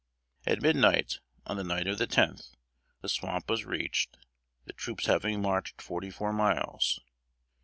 At midnight, on the night of the tenth, the swamp was reached; the troops having marched forty four miles.